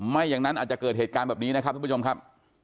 ไม่อย่างนั้นอาจจะเกิดเหตุการณ์แบบนี้นะครับทุกผู้ชมครับ